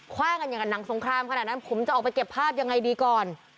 ว่างกันอย่างกับหนังสงครามขนาดนั้นผมจะออกไปเก็บภาพยังไงดีก่อน